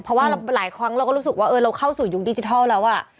เพราะว่าหลายครั้งเราก็รู้สึกว่าเราเข้าสู่ยุคดิจิทัลแล้ว